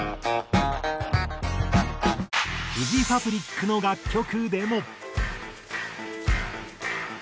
フジファブリックの楽曲でも。